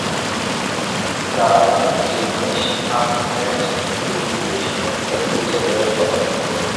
তারা জিনিস আপ প্যাচ কিন্তু ভিকি সত্য খুঁজে বের করে।